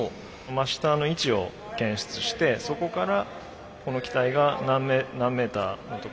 真下の位置を検出してそこからこの機体が何メーターの所に置きましょうと。